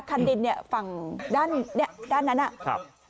คันดินเนี่ยฝั่งด้านเนี่ยด้านนั้นนะครับ